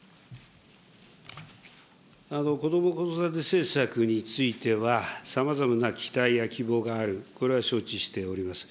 子ども・子育て政策については、さまざまな期待や希望がある、これは承知しております。